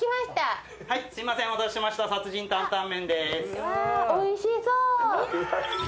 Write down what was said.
うわおいしそう。